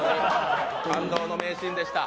感動の名シーンでした。